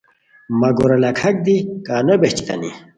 مہ گورہ لاکھاک دی کا نو بہچتانی